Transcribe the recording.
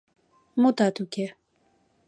Мутат уке...